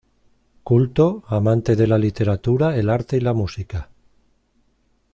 Culto, amante de la literatura, el arte y la música.